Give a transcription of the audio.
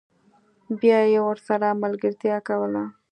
بیا یې ورسره ملګرتیا کوله